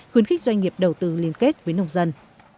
khuyến khích doanh nghiệp đầu tư liên kết với nông dân